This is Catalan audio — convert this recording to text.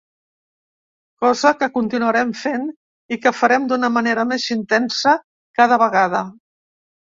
Cosa que continuarem fent i que farem d’una manera més intensa cada vegada.